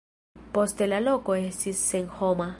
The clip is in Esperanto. Poste la loko estis senhoma.